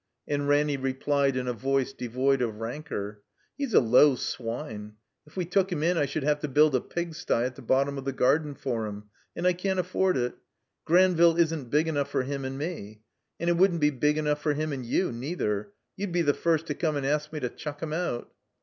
And Ranny replied in a voice devoid of rancor: "He's a low swine. If we took him in I should have to build a pigsty at the bottom of the garden for him, and I can't afford it. Granville isn't big enough for him and me. And it wouldn't be big enough for him and you, neither. You'd be the first to come and ask me to chuck him out."